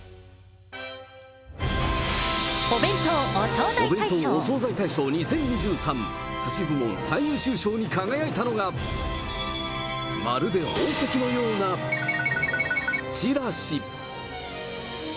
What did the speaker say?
お弁当・お惣菜大賞２０２３、寿司部門最優秀賞に輝いたのが、まるで宝石のような×××ちらし。